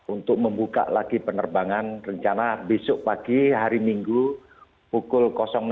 untuk membuka lagi penerbangan rencana besok pagi hari minggu pukul enam